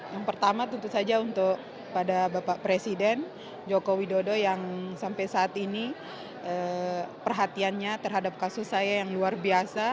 yang pertama tentu saja untuk pada bapak presiden joko widodo yang sampai saat ini perhatiannya terhadap kasus saya yang luar biasa